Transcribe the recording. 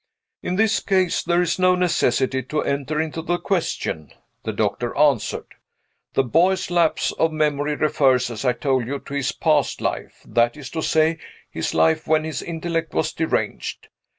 "In this case there is no necessity to enter into the question," the doctor answered. "The boy's lapse of memory refers, as I told you, to his past life that is to say, his life when his intellect was deranged.